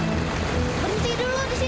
berhenti dulu di sini